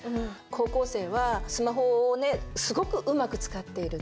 高校生はスマホをねすごくうまく使っている。